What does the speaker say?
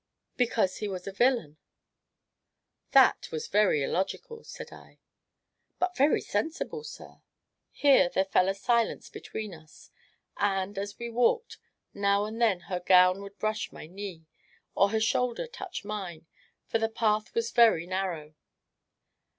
"Because he was a villain." "That was very illogical!" said I. "But very sensible, sir." Here there fell a silence between us, and, as we walked, now and then her gown would brush my knee, or her shoulder touch mine, for the path was very narrow.